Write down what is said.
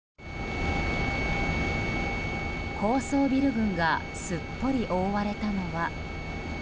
高層ビル群がすっぽり覆われたのは。